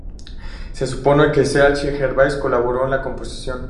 Se supone que C. H. Gervais colaboró en la composición.